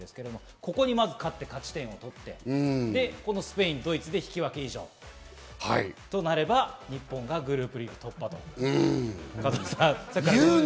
ここに勝って勝ち点を取って、スペイン、ドイツで引き分け以上となれば日本がグループリーグ突破と。